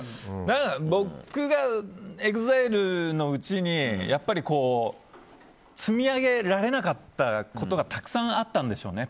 僕がＥＸＩＬＥのうちに積み上げられなかったことがたくさんあったんでしょうね。